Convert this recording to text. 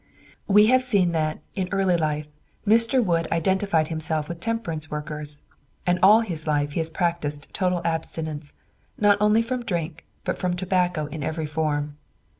We have seen that, early in life, Mr. Wood identified himself with temperance workers, and all his life he has practised total abstinence, not only from drink, but from tobacco in every form.